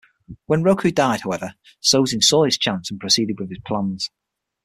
When Roku died, however, Sozin saw his chance and proceeded with his plans.